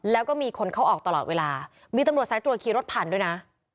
แล้วก็มีคนเข้าออกตลอดเวลามีตำรวจสายตรวจขี่รถผ่านด้วยนะ